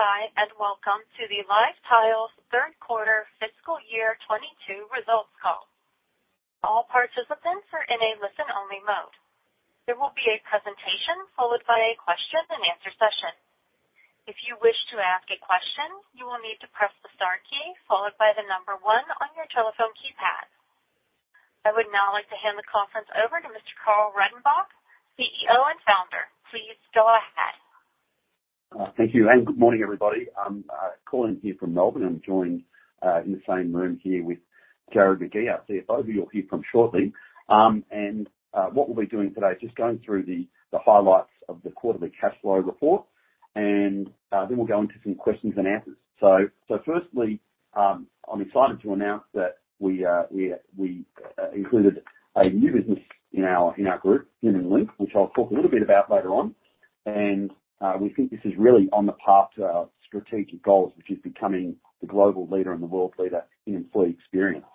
Thank you for standing by, and welcome to the LiveTiles third quarter fiscal year 2022 results call. All participants are in a listen-only mode. There will be a presentation followed by a question and answer session. If you wish to ask a question, you will need to press the star key followed by the number one on your telephone keypad. I would now like to hand the conference over to Mr. Karl Redenbach, CEO and founder. Please go ahead. Thank you, and good morning, everybody. I'm calling here from Melbourne. I'm joined in the same room here with Jarrod Magee, our CFO, who you'll hear from shortly. What we'll be doing today is just going through the highlights of the quarterly cash flow report, and then we'll go into some questions and answers. Firstly, I'm excited to announce that we included a new business in our group, The Human Link, which I'll talk a little bit about later on. We think this is really on the path to our strategic goals, which is becoming the global leader and the world leader in employee experience.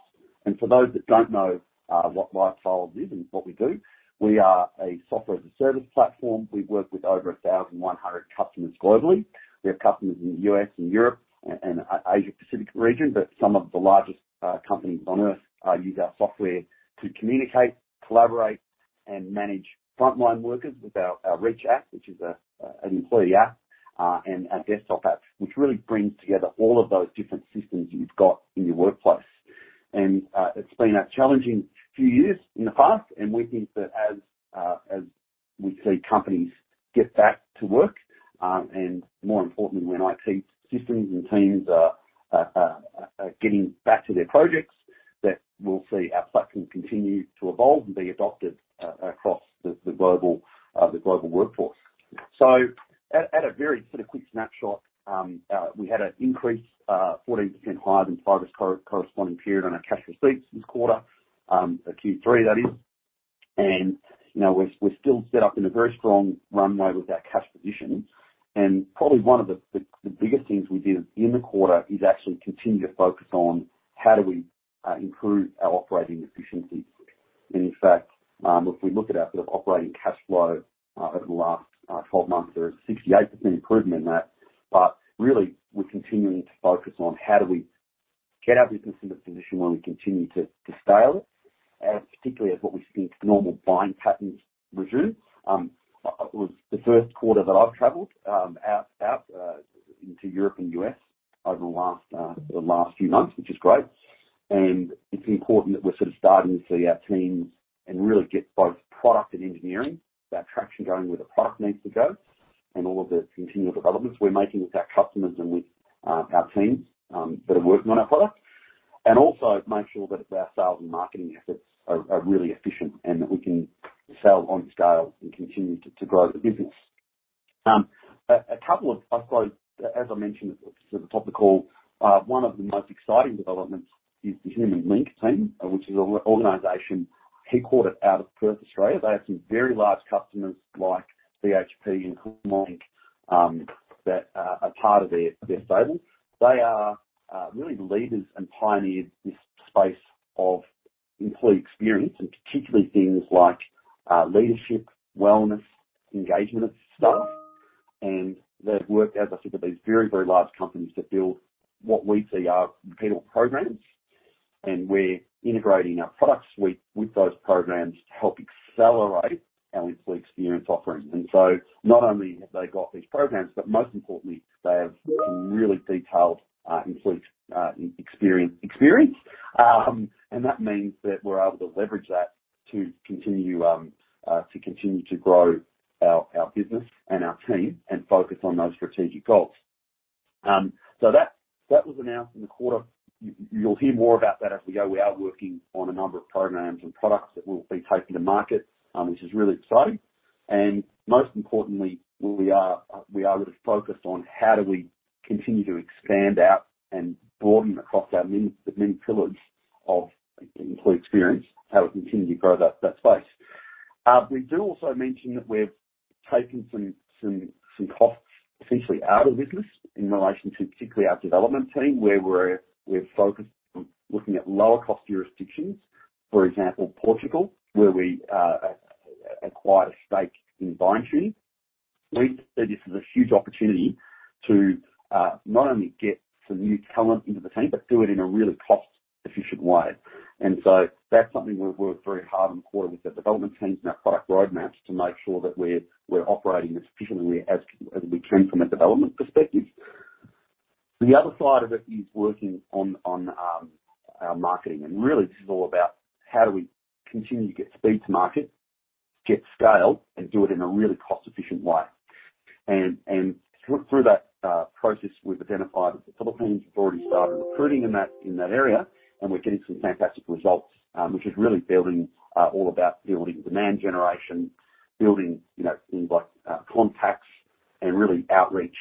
For those that don't know what LiveTiles is and what we do, we are a Software as a Service platform. We work with over 1,100 customers globally. We have customers in the U.S. and Europe and Asia-Pacific region. Some of the largest companies on Earth use our software to communicate, collaborate, and manage frontline workers with our Reach app, which is an employee app, and our desktop app, which really brings together all of those different systems you've got in your workplace. It's been a challenging few years in the past, and we think that as we see companies get back to work, and more importantly, when IT systems and teams are getting back to their projects, that we'll see our platform continue to evolve and be adopted across the global workforce. At a very sort of quick snapshot, we had an increase 14% higher than previous corresponding period on our cash receipts this quarter, Q3 that is. You know, we're still set up in a very strong runway with our cash position. Probably one of the biggest things we did in the quarter is actually continue to focus on how do we improve our operating efficiencies. In fact, if we look at our sort of operating cash flow over the last 12 months, there is 68% improvement in that. Really, we're continuing to focus on how do we get our business in a position where we continue to scale it, particularly as what we see as the normal buying patterns resume. It was the first quarter that I've traveled out into Europe and U.S. over the last few months, which is great. It's important that we're starting to see our teams and really get both product and engineering, that traction going where the product needs to go and all of the continual developments we're making with our customers and with our teams that are working on our product. Also make sure that our sales and marketing efforts are really efficient and that we can sell on scale and continue to grow the business. A couple of, I suppose, as I mentioned at the sort of top of the call, one of the most exciting developments is the Human Link team, which is an organization headquartered out of Perth, Australia. They have some very large customers like BHP and Commonwealth Bank that are part of their stable. They are really the leaders and pioneered this space of employee experience, and particularly things like leadership, wellness, engagement stuff. They've worked, as I said, with these very large companies to build what we see are people programs. We're integrating our product suite with those programs to help accelerate our employee experience offerings. Not only have they got these programs, but most importantly, they have some really detailed employee experience. That means that we're able to leverage that to continue to grow our business and our team and focus on those strategic goals. That was announced in the quarter. You'll hear more about that as we go. We are working on a number of programs and products that we'll be taking to market, which is really exciting. Most importantly, we are sort of focused on how do we continue to expand out and broaden across our many pillars of employee experience, how we continue to grow that space. We do also mention that we're taking some costs essentially out of the business in relation to particularly our development team, where we're focused on looking at lower cost jurisdictions. For example, Portugal, where we acquire a stake in BindTuning. We see this as a huge opportunity to not only get some new talent into the team, but do it in a really cost-efficient way. That's something we've worked very hard in quarter with the development teams and our product roadmaps to make sure that we're operating as efficiently as we can from a development perspective. The other side of it is working on our marketing. Really this is all about how do we continue to get speed to market, get scale, and do it in a really cost-efficient way. Through that process, we've identified that the Philippines have already started recruiting in that area, and we're getting some fantastic results, which is really all about building demand generation, you know, things like contacts and really outreach,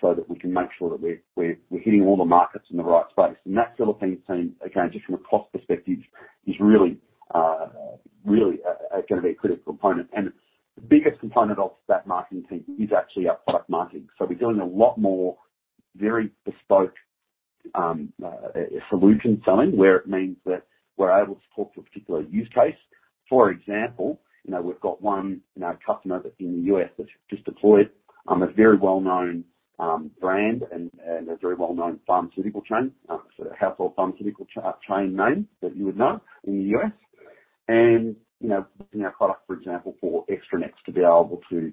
so that we can make sure that we're hitting all the markets in the right space. That Philippines team, again, just from a cost perspective, is really gonna be a critical component. The biggest component of that marketing team is actually our product marketing. We're doing a lot more very bespoke solution selling where it means that we're able to talk to a particular use case. For example, you know, we've got one, you know, customer that's in the U.S. that's just deployed a very well-known brand and a very well-known pharmaceutical chain, sort of household pharmaceutical chain name that you would know in the U.S. You know, looking at products, for example, for Extranet to be able to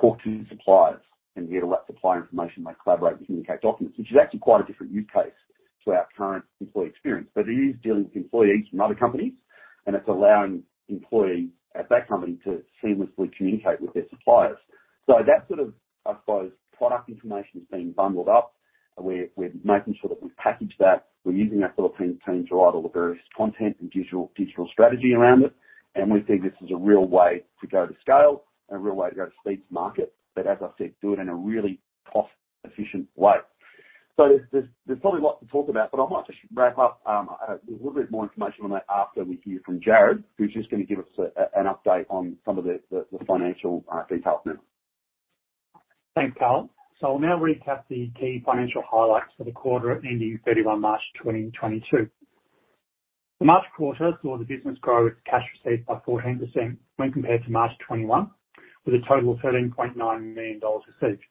talk to suppliers and be able to let supply information, like collaborate, communicate documents. Which is actually quite a different use case to our current employee experience. It is dealing with employees from other companies, and it's allowing employees at that company to seamlessly communicate with their suppliers. That sort of, I suppose, product information is being bundled up. We're making sure that we package that. We're using that sort of team to write all the various content and digital strategy around it. We think this is a real way to go to scale and a real way to go to speed to market, but as I said, do it in a really cost-efficient way. There's probably a lot to talk about, but I might just wrap up a little bit more information on that after we hear from Jarrod, who's just gonna give us an update on some of the financial details now. Thanks, Karl. I'll now recap the key financial highlights for the quarter ending 31 March 2022. The March quarter saw the business grow its cash receipts by 14% when compared to March 2021, with a total of 13.9 million dollars received.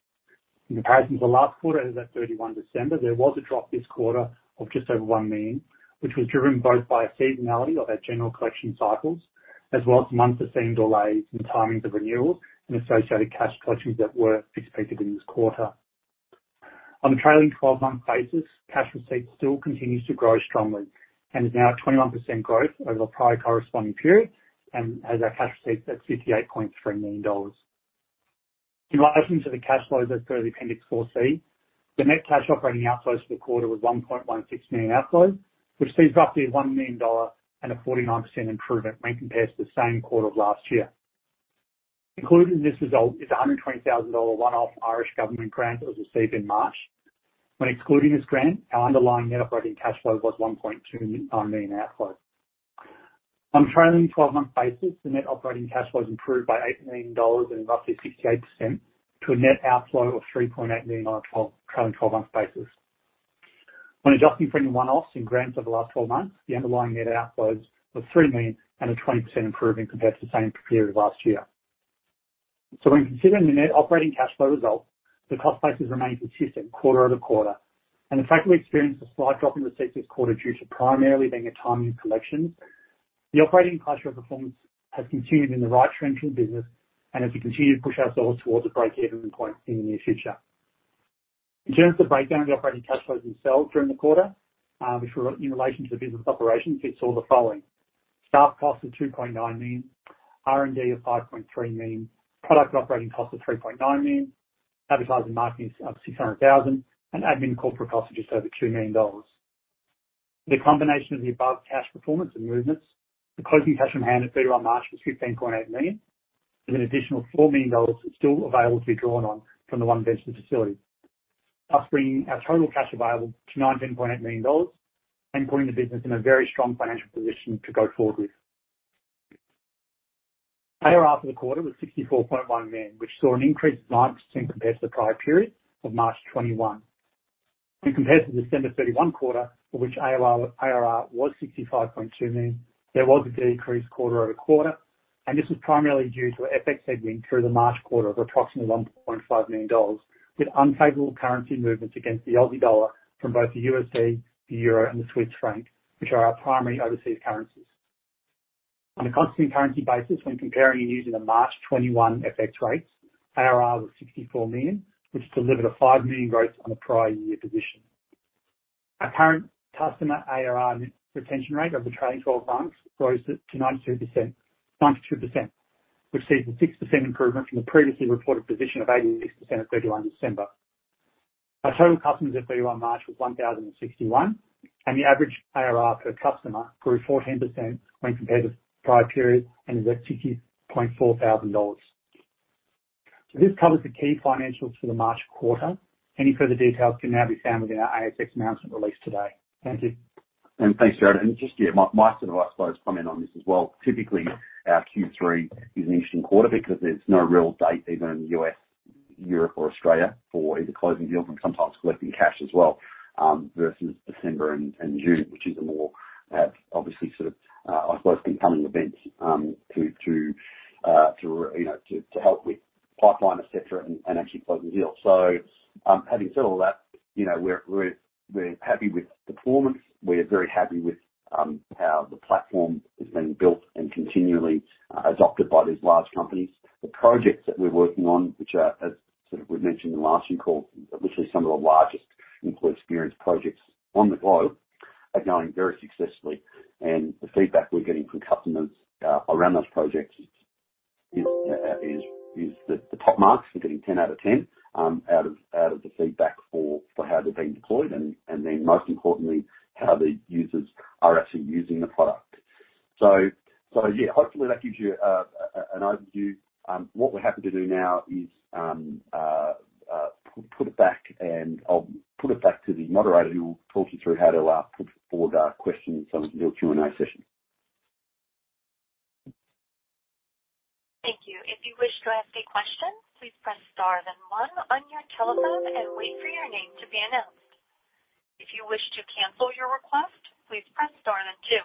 In comparison to the last quarter that was at 31 December, there was a drop this quarter of just over 1 million, which was driven both by seasonality of our general collection cycles, as well as modest delays in timings of renewals and associated cash collections that were expected in this quarter. On the trailing 12-month basis, cash receipts still continues to grow strongly and is now at 21% growth over the prior corresponding period and has our cash receipts at 58.3 million dollars. In relation to the cash flows as per the Appendix 4C, the net cash operating outflows for the quarter was 1.16 million outflows, which sees roughly 1 million dollar and a 49% improvement when compared to the same quarter of last year. Included in this result is AUD 120,000 one-off Irish government grant that was received in March. When excluding this grant, our underlying net operating cash flow was 1.2 million outflow. On trailing 12-month basis, the net operating cash flows improved by 8 million dollars and roughly 68% to a net outflow of 3.8 million on a trailing 12-month basis. When adjusting for any one-offs in grants over the last 12 months, the underlying net outflows was 3 million and a 20% improvement compared to the same period last year. When considering the net operating cash flow result, the cost basis remains consistent quarter-over-quarter. The fact that we experienced a slight drop in receipts this quarter due to primarily being a timing collection, the operating cash flow performance has continued in the right trends for the business and as we continue to push ourselves towards a break-even point in the near future. In terms of breakdown of the operating cash flows themselves during the quarter, which were in relation to the business operations, it saw the following. Staff costs of 2.9 million, R&D of 5.3 million, product operating costs of 3.9 million, advertising and marketing of 600,000, and admin and corporate costs of just over 2 million dollars. The combination of the above cash performance and movements, the closing cash on hand at 31 March was 15.8 million, with an additional 4 million dollars still available to be drawn on from the OneVentures facility. Thus bringing our total cash available to 19.8 million dollars and putting the business in a very strong financial position to go forward with. ARR for the quarter was 64.1 million, which saw an increase of 9% compared to the prior period of March 2021. When compared to December 31 quarter, for which ARR was 65.2 million, there was a decrease quarter-over-quarter, and this was primarily due to an FX headwind through the March quarter of approximately 1.5 million dollars, with unfavorable currency movements against the Australian dollar from both the USD, the euro, and the Swiss franc, which are our primary overseas currencies. On a constant currency basis, when comparing and using the March 2021 FX rates, ARR was 64 million, which delivered a 5 million growth on the prior year position. Our current customer ARR net retention rate over the trailing twelve months rose to 92%, which sees a 6% improvement from the previously reported position of 86% at 31 December. Our total customers at 31 March was 1,061, and the average ARR per customer grew 14% when compared to the prior period and is at 60,400 dollars. This covers the key financials for the March quarter. Any further details can now be found within our ASX announcement release today. Thank you. Thanks, Jarrod. Just, yeah, my sort of, I suppose, comment on this as well. Typically, our Q3 is an interesting quarter because there's no real date either in the U.S., Europe or Australia for either closing deals and sometimes collecting cash as well, versus December and June, which is a more, obviously sort of, I suppose, incoming event, to, you know, to help with pipeline, et cetera, and actually closing deals. Having said all that, you know, we're happy with the performance. We're very happy with how the platform has been built and continually adopted by these large companies. The projects that we're working on, which are, as we've mentioned in the last few calls, which is some of the largest employee experience projects on the globe, are going very successfully. The feedback we're getting from customers around those projects is the top marks. We're getting 10 out of 10 out of the feedback for how they're being deployed and then most importantly, how the users are actually using the product. Yeah, hopefully, that gives you an overview. What we're happy to do now is put it back and I'll put it back to the moderator who will talk you through how to put forward questions on the Q&A session. If you wish to ask a question, please press star then one on your telephone and wait for your name to be announced. If you wish to cancel your request, please press star then two.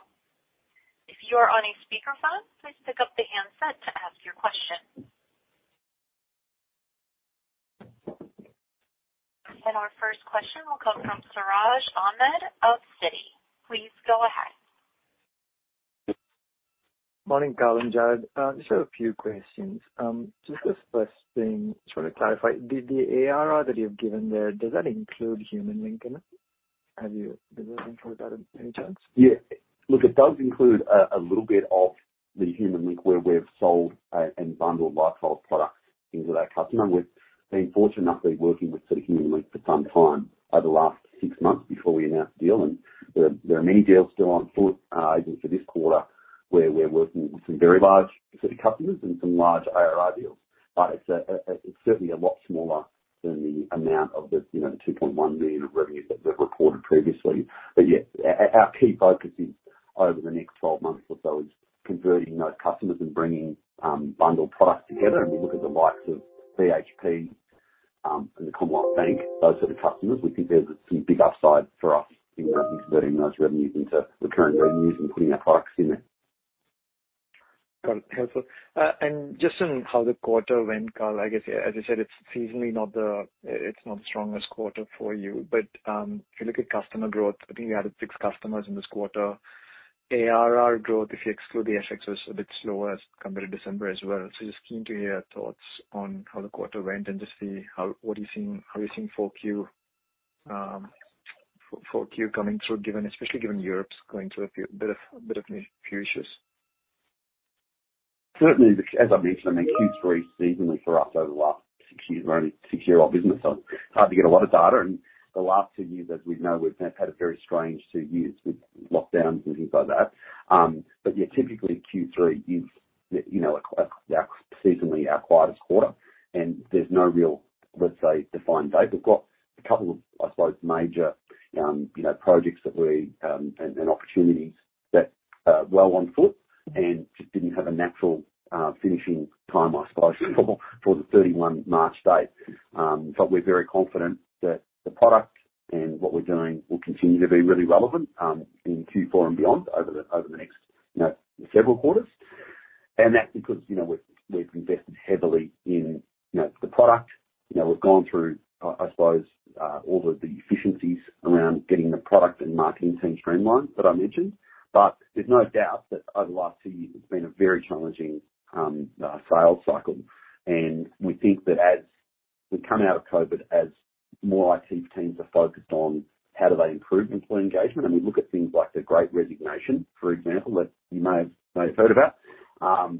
If you are on a speakerphone, please pick up the handset to ask your question. Our first question will come from Siraj Ahmed of Citi. Please go ahead. Morning, Karl and Jarrod. Just have a few questions. Just the first thing, just wanna clarify. Did the ARR that you've given there, does that include Human Link in it? Have you already included that by any chance? Yeah. Look, it does include a little bit of the Human Link where we've sold and bundled LiveTiles products into that customer. We've been fortunate enough to be working with sort of the Human Link for some time over the last six months before we announced the deal. There are many deals still on foot even for this quarter, where we're working with some very large city customers and some large ARR deals. It's certainly a lot smaller than the amount of the, you know, 2.1 million of revenue that we've reported previously. Yes, our key focus is over the next 12 months or so is converting those customers and bringing bundled products together. We look at the likes of BHP and the Commonwealth Bank, those sort of customers. We think there's some big upside for us in converting those revenues into recurring revenues and putting our products in there. Got it. Helpful. Just on how the quarter went, Karl, I guess, as you said, it's not the strongest quarter for you. If you look at customer growth, I think you had six customers in this quarter. ARR growth, if you exclude the FX, was a bit slower as compared to December as well. Just keen to hear your thoughts on how the quarter went and just see what you are seeing, how you are seeing 4Q coming through, especially given Europe's going through a bit of new issues. Certainly, as I mentioned, I mean, Q3 seasonally for us over the last six years. We're only a six-year-old business, so it's hard to get a lot of data. The last two years, as we know, we've had a very strange two years with lockdowns and things like that. Yeah, typically Q3 is, you know, seasonally our quietest quarter. There's no real, let's say, defined date. We've got a couple of, I suppose, major, you know, projects and opportunities that are well on foot and just didn't have a natural finishing time, I suppose, for the 31 March date. We're very confident that the product and what we're doing will continue to be really relevant in Q4 and beyond over the next, you know, several quarters. That's because, you know, we've invested heavily in, you know, the product. You know, we've gone through, I suppose, all of the efficiencies around getting the product and marketing team streamlined that I mentioned. There's no doubt that over the last two years, it's been a very challenging sales cycle. We think that as we come out of COVID, as more IT teams are focused on how do they improve employee engagement, and we look at things like the Great Resignation, for example, that you may have heard about,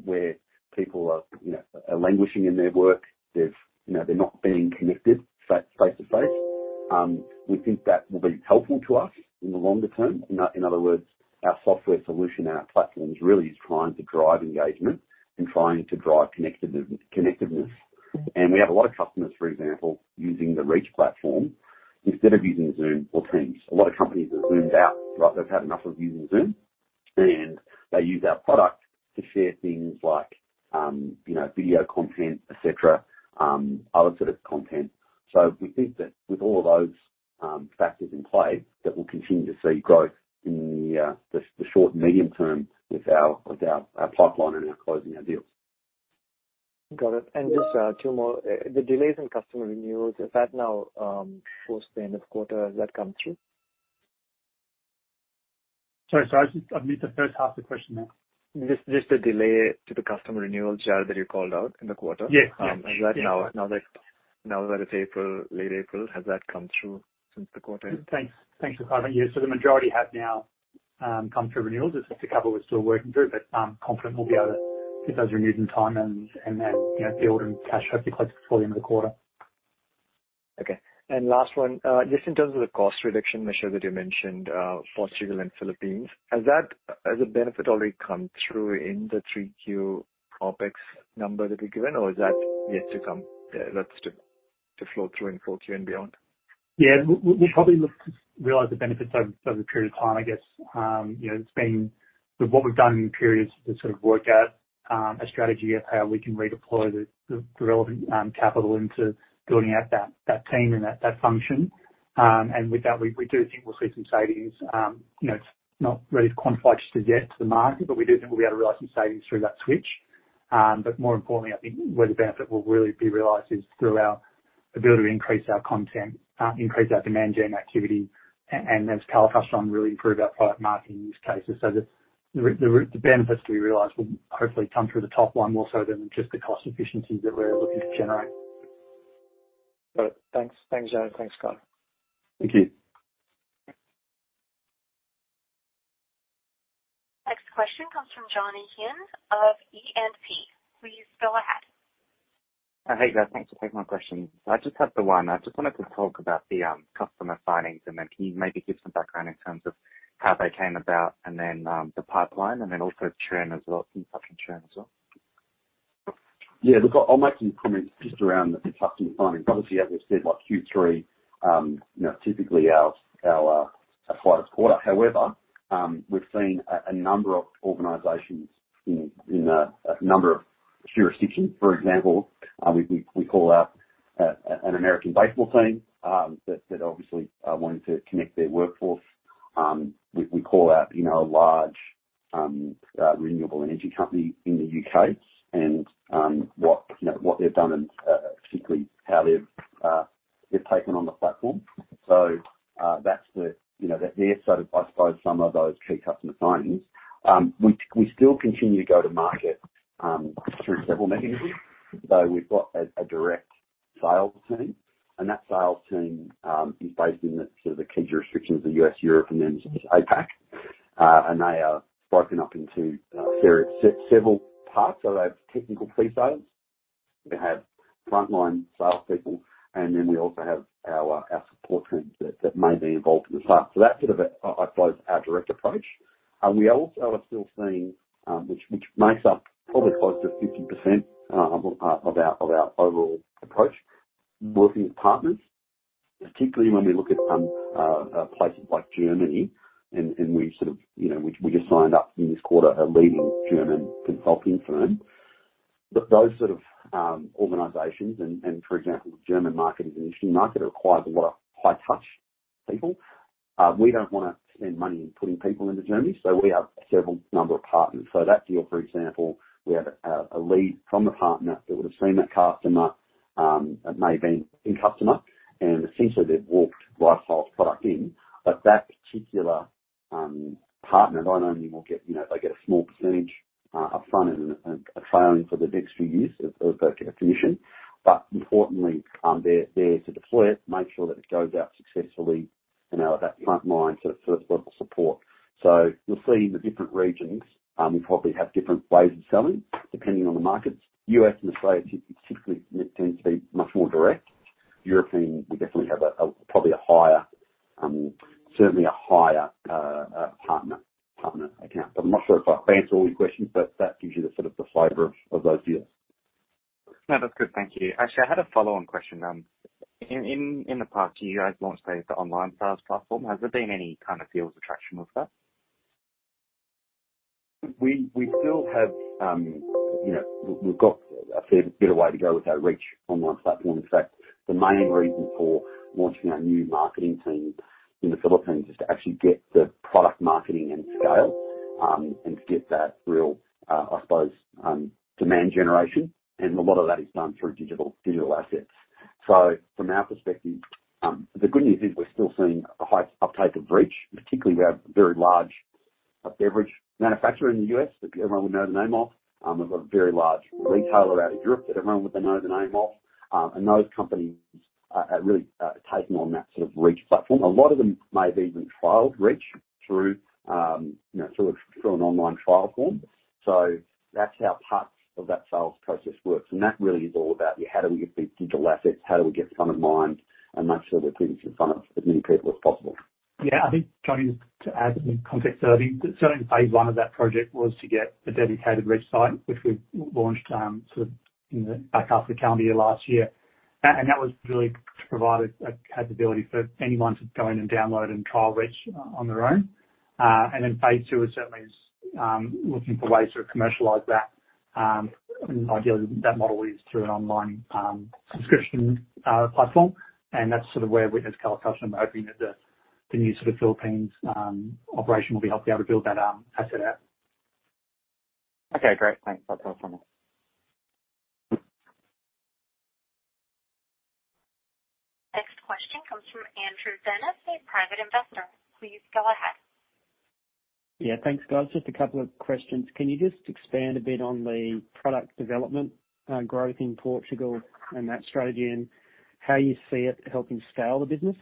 where people are, you know, languishing in their work. They've, you know, they're not being connected face-to-face. We think that will be helpful to us in the longer term. In other words, our software solution and our platforms really is trying to drive engagement and trying to drive connectiveness. We have a lot of customers, for example, using the Reach platform instead of using Zoom or Teams. A lot of companies have Zoomed out, right? They've had enough of using Zoom, and they use our product to share things like, you know, video content, et cetera, other sort of content. We think that with all of those factors in play, that we'll continue to see growth in the short and medium term with our pipeline and our closing our deals. Got it. Just two more. The delays in customer renewals, is that now, towards the end of quarter, has that come through? Sorry, Siraj. I missed the first half of the question there. Just the delay to the customer renewal, Jarrod, that you called out in the quarter. Yes. Yes. Is that now that it's April, late April, has that come through since the quarter end? Thanks. Thanks for clarifying. Yeah, so the majority have now come through renewals. There's just a couple we're still working through, but I'm confident we'll be able to get those renewed in time and then, you know, build and cash hopefully close before the end of the quarter. Okay. Last one, just in terms of the cost reduction measure that you mentioned, Portugal and Philippines, has the benefit already come through in the 3Q OpEx number that we've given, or is that yet to come? That's to flow through in 4Q and beyond. Yeah. We'll probably look to realize the benefits over a period of time, I guess. You know, what we've done in the period is to sort of work out a strategy of how we can redeploy the relevant capital into building out that team and that function. With that, we do think we'll see some savings. You know, it's not really quantifiable just yet to the market, but we do think we'll be able to realize some savings through that switch. More importantly, I think where the benefit will really be realized is through our ability to increase our content, increase our demand gen activity, and as Karl touched on, really improve our product marketing use cases. The benefits to be realized will hopefully come through the top line more so than just the cost efficiencies that we're looking to generate. Got it. Thanks. Thanks, Jarrod. Thanks, Karl. Thank you. Next question comes from Johnny Huynh of E&P. Please go ahead. Hey, guys. Thanks for taking my question. I just have the one. I just wanted to talk about the customer signings, and then can you maybe give some background in terms of how they came about and then the pipeline and then also churn as well, some thoughts on churn as well. Yeah. Look, I'll make some comments just around the customer signings. Obviously, as we've said, like, Q3, you know, typically our quietest quarter. However, we've seen a number of organizations in a number of jurisdictions. For example, we call out an American baseball team that obviously are wanting to connect their workforce. We call out, you know, a large renewable energy company in the U.K. and what, you know, they've done and particularly how they've taken on the platform. That's the, you know, they're sort of, I suppose some of those key customer signings. We still continue to go to market through several mechanisms. We've got a direct sales team, and that sales team is based in sort of the key jurisdictions of the U.S., Europe, and then APAC. They are broken up into several parts. They have technical pre-sales, we have frontline sales people, and then we also have our support teams that may be involved in the sale. That's sort of a, I suppose, our direct approach. We also are still seeing which makes up probably close to 50% of our overall approach working with partners, particularly when we look at places like Germany and we've sort of, you know, we just signed up in this quarter a leading German consulting firm. But those sort of organizations and, for example, the German market is an interesting market. It requires a lot of high touch people. We don't wanna spend money putting people into Germany, so we have several number of partners. That deal for example, we have a lead from the partner that would've seen that customer, that may have been incumbent customer and essentially they've walked LiveTiles' product in. That particular partner not only will get, you know, they get a small percentage upfront and trailing for the next few years of that particular commission. Importantly, they're there to deploy it, make sure that it goes out successfully, you know, at that frontline sort of first level support. You'll see in the different regions, we probably have different ways of selling depending on the markets. U.S. and Australia particularly tends to be much more direct. European, we definitely have a probably higher, certainly a higher partner account. I'm not sure if I've answered all your questions, but that gives you the sort of flavor of those deals. No, that's good. Thank you. Actually, I had a follow on question. In the past year, you guys launched the online sales platform. Has there been any kind of sales attraction with that? We still have, you know, we've got a fair bit of way to go with our Reach online platform. In fact, the main reason for launching our new marketing team in the Philippines is to actually get the product marketing and scale, and to get that real, I suppose, demand generation. A lot of that is done through digital assets. From our perspective, the good news is we're still seeing a high uptake of Reach, particularly, we have a very large beverage manufacturer in the U.S. that everyone would know the name of. We've got a very large retailer out in Europe that everyone would know the name of. Those companies are really taking on that sort of Reach platform. A lot of them may have even trialed Reach through, you know, through an online trial form. That's how parts of that sales process works. That really is all about how do we get these digital assets front of mind, and make sure we're putting it in front of as many people as possible. Yeah, I think Johnny, to add some context there, I think certainly phase one of that project was to get a dedicated Reach site, which we launched sort of in the back half of the calendar year last year. That was really to provide a capability for anyone to go in and download and trial Reach on their own. Phase two is certainly looking for ways to commercialize that. Ideally that model is through an online subscription platform. That's sort of where we're with this conversation. We're hoping that the new sort of Philippines operation will be able to help build that asset out. Okay, great. Thanks. That's all from me. Next question comes from Andrew Bennett, a private investor. Please go ahead. Yeah, thanks guys. Just a couple of questions. Can you just expand a bit on the product development, growth in Portugal and that strategy and how you see it helping scale the business?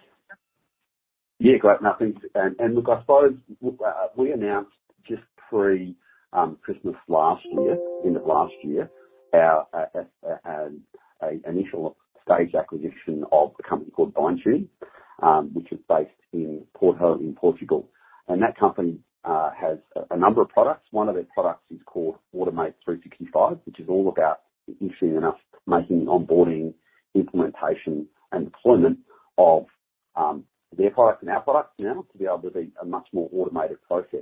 Yeah, great. Thanks. Look, I suppose we announced just pre-Christmas last year, end of last year, an initial stage acquisition of a company called BindTuning, which is based in Porto in Portugal. That company has a number of products. One of their products is called Automate365, which is all about interestingly enough making onboarding, implementation, and deployment of their products and our products now to be able to be a much more automated process.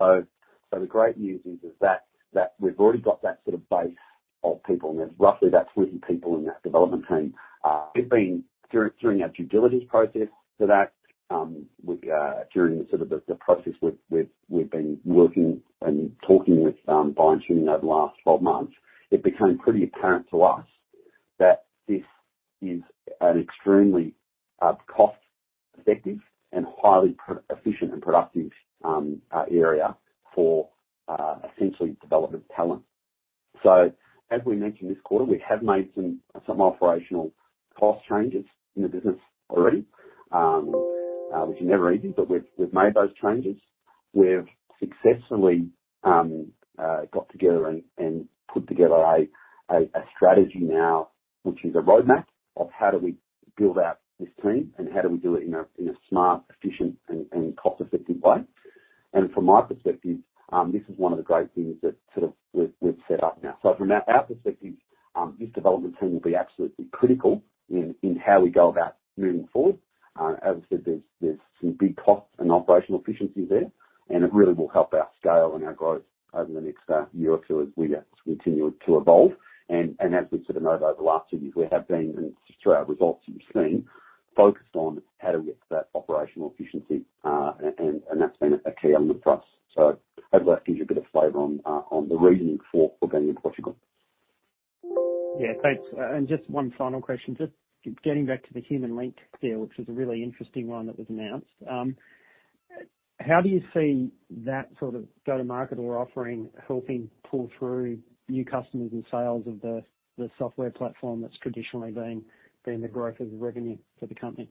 The great news is that we've already got that sort of base of people and there's roughly about 20 people in that development team. During our due diligence process, we've been working and talking with BindTuning over the last 12 months. It became pretty apparent to us that this is an extremely cost-effective and highly efficient and productive area for essentially development talent. As we mentioned this quarter, we have made some operational cost changes in the business already, which are never easy, but we've made those changes. We've successfully got together and put together a strategy now, which is a roadmap of how do we build out this team and how do we do it in a smart, efficient and cost effective way. From my perspective, this is one of the great things that sort of we've set up now. From our perspective, this development team will be absolutely critical in how we go about moving forward. As I said, there's some big costs and operational efficiencies there, and it really will help our scale and our growth over the next year or two as we continue to evolve. As we've sort of noted over the last two years, we have been, and through our results, you've seen, focused on how to get to that operational efficiency, and that's been a key element for us. Hopefully that gives you a bit of flavor on the reasoning for going to Portugal. Yeah, thanks. Just one final question. Just getting back to the Human Link deal, which was a really interesting one that was announced. How do you see that sort of go-to-market or offering helping pull through new customers and sales of the software platform that's traditionally been the growth of the revenue for the company?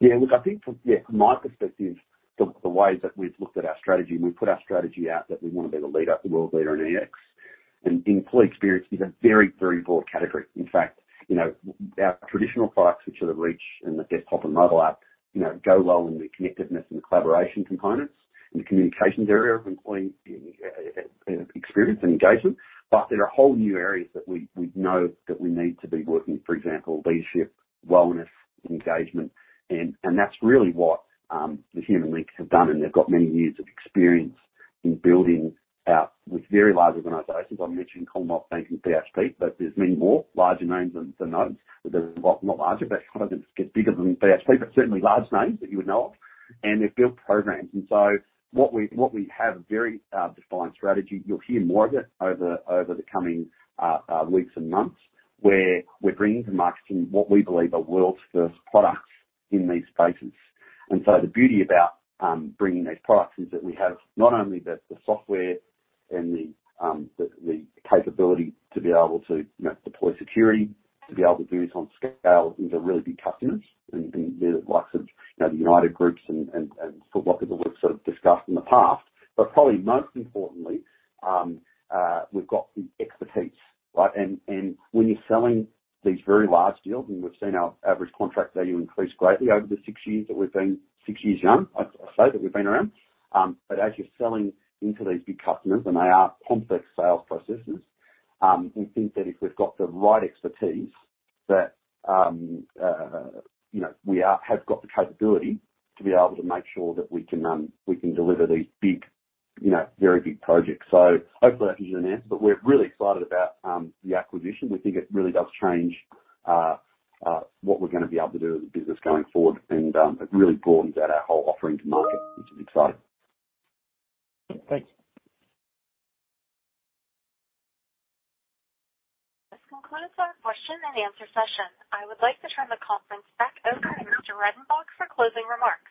Yeah. Look, I think from my perspective, the way that we've looked at our strategy, and we put our strategy out that we wanna be the leader, the world leader in EX. Employee experience is a very, very broad category. In fact, you know, our traditional products, which are the Reach and the desktop and mobile app, you know, go well in the connectedness and collaboration components and the communications area of employee experience and engagement. But there are whole new areas that we know that we need to be working, for example, leadership, wellness, engagement, and that's really what the Human Link have done, and they've got many years of experience in building out with very large organizations. I mentioned Commonwealth Bank and BHP, but there's many more larger names than those. Well, not larger, but kind of get bigger than BHP, but certainly large names that you would know of. They've built programs. What we have a very defined strategy. You'll hear more of it over the coming weeks and months, where we're bringing to market what we believe are world's first products in these spaces. The beauty about bringing these products is that we have not only the software and the capability to be able to, you know, deploy security, to be able to do this on scale with the really big customers and the likes of, you know, the United Groups and football club that we've sort of discussed in the past. Probably most importantly, we've got the expertise, right? When you're selling these very large deals, and we've seen our average contract value increase greatly over the six years that we've been, six years young, I'd say, that we've been around. As you're selling into these big customers, and they are complex sales processes, we think that if we've got the right expertise that, you know, we have got the capability to be able to make sure that we can deliver these big, you know, very big projects. Hopefully that gives you an answer. We're really excited about the acquisition. We think it really does change what we're gonna be able to do as a business going forward, and it really broadens out our whole offering to market, which is exciting. Thanks. This concludes our question and answer session. I would like to turn the conference back over to Mr. Redenbach for closing remarks.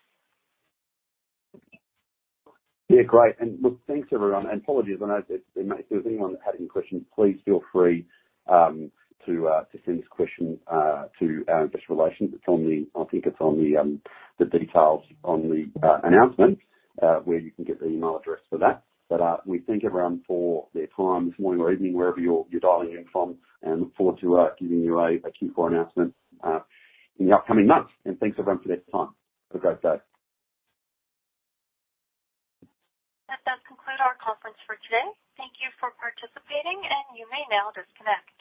Yeah, great. Look, thanks, everyone, and apologies. I know if there's anyone that had any questions, please feel free to send this question to our investor relations. I think it's on the details on the announcement where you can get the email address for that. We thank everyone for their time this morning or evening, wherever you're dialing in from, and look forward to giving you a Q4 announcement in the upcoming months. Thanks, everyone, for their time. Have a great day. That does conclude our conference for today. Thank you for participating, and you may now disconnect.